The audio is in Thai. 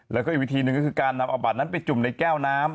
แล้วก็อีกวิธีหนึ่งก็คือการนำเอาบัตรนั้นไปจุ่มในแก้วน้ำ